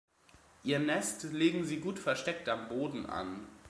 Ihr Nest legen sie gut versteckt am Boden an.